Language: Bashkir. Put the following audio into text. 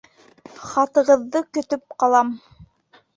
Хаттығыҙҙы көтөп ҡалам